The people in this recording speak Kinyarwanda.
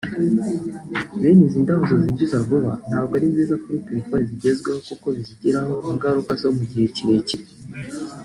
Bene izi ndahuzo zinjiza vuba ntabwo ari nziza kuri telefoni zigezweho kuko bizigiraho ingaruka zo mu gihe kirekire